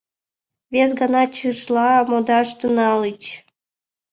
Вес гана чижла модаш тӱҥальыч.